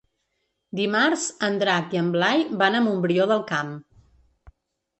Dimarts en Drac i en Blai van a Montbrió del Camp.